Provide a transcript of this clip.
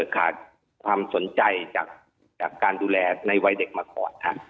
ขาดความสนใจจากการดูแลในวัยเด็กมาก่อนครับ